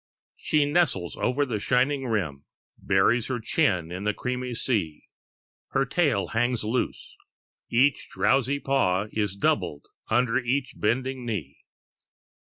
She nestles over the shining rim, Buries her chin in the creamy sea; Her tail hangs loose; each drowsy paw Is doubled under each bending knee.